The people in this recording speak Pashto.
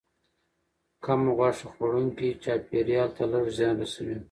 کم غوښه خوړونکي چاپیریال ته لږ زیان رسوي.